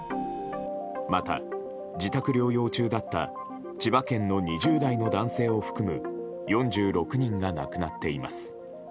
また自宅療養中だった千葉県の２０代の男性を含む４６人が亡くなっています。